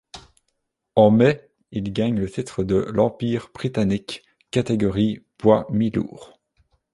En mai, il gagne le titre de l'Empire Britannique, catégorie poids mi-lourds.